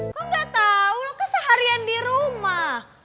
kok gak tau lo kan seharian di rumah